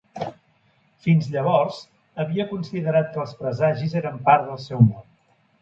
Fins llavors, havia considerat que els presagis eren part del seu món.